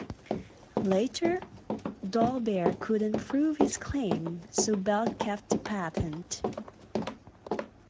Later, Dolbear couldn't prove his claim, so Bell kept the patent.